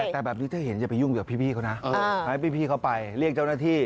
แต่แบบนี้ถ้าเห็นอย่าไปยุ่งกับพี่เขานะให้พี่เขาไปเรียกเจ้าหน้าที่